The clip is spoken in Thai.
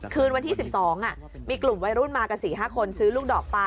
คืนวันที่๑๒มีกลุ่มวัยรุ่นมากัน๔๕คนซื้อลูกดอกปลา